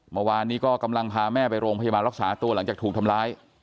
เมื่อวานนี้ก็กำลังพาแม่ไปโรงพยาบาลรักษาตัวหลังจากถูกทำร้าย